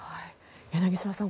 柳澤さん